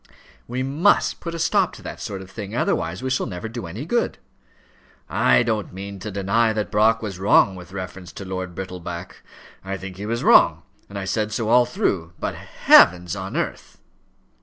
"We must put a stop to that sort of thing, otherwise we shall never do any good." "I don't mean to deny that Brock was wrong with reference to Lord Brittleback. I think that he was wrong, and I said so all through. But, heavens on earth